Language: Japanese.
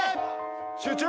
集中！